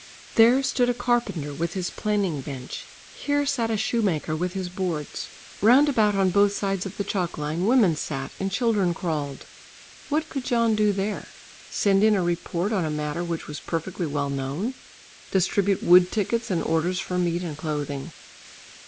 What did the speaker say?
There stood a carpenter with his planing bench, here sat a shoemaker with his board; round about on both sides of the chalk line women sat and children crawled. What could John do there? Send in a report on a matter which was perfectly well known, distribute wood tickets and orders for meat and clothing.